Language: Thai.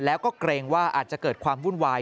แล้วก็เกรงว่าอาจจะเกิดความวุ่นวาย